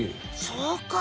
そうか。